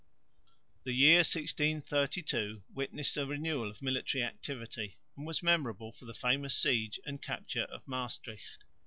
The year 1632 witnessed a renewal of military activity and was memorable for the famous siege and capture of Maestricht.